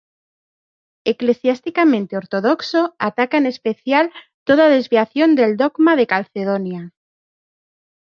Eclesiásticamente ortodoxo, ataca en especial toda desviación del dogma de Calcedonia.